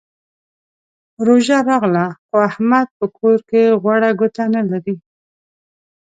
روژه راغله؛ خو احمد په کور کې غوړه ګوته نه لري.